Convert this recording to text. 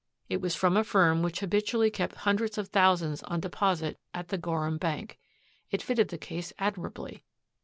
It was from a firm which habitually kept hundreds of thousands on deposit at the Gorham Bank. It fitted the case admirably.